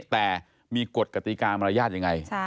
แต่มีกฎกติกามารยาทยังไง